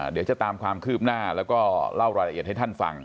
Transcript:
เดี๋ยวจะตามความคืบหน้าแล้วก็เล่ารายละเอียดให้ท่านฟัง